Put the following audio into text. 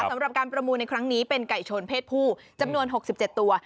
สำหรับการประมูลในครั้งนี้เป็นไก่ชนเพศผู้จำนวน๖๗ตัว